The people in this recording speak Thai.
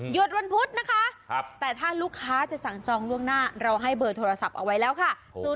วันพุธนะคะแต่ถ้าลูกค้าจะสั่งจองล่วงหน้าเราให้เบอร์โทรศัพท์เอาไว้แล้วค่ะ